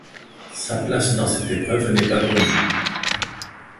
Sa place dans cette épreuve n'est pas connue.